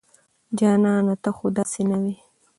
جانانه ته خو داسې نه وې